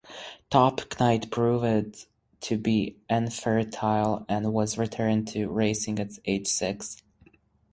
Top Knight proved to be infertile and was returned to racing at age six.